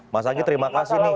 mas anggi terima kasih nih